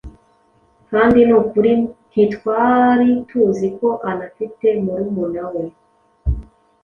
kandi ni ukuri ntitwari tuzi ko anafite murumuna we.